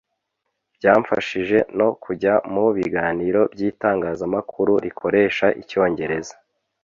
Byamfashije no kujya mu biganiro by’itangazamakuru rikoresha Icyongereza,